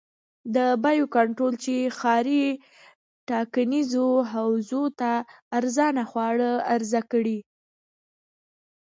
د بیو کنټرول چې ښاري ټاکنیزو حوزو ته ارزانه خواړه عرضه کړي.